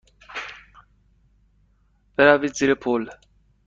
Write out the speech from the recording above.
بروید زیر پل.